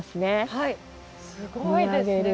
はいすごいですね。